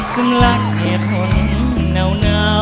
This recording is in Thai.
สำหรับเหตุผลหนาว